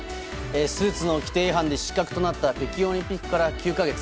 スーツの規定違反で失格となった北京オリンピックから９か月。